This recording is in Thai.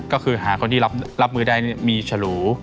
ก็คือหาคนที่รับมือได้มีฉลู